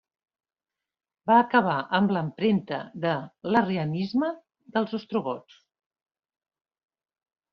Va acabar amb l'empremta de l'arrianisme dels ostrogots.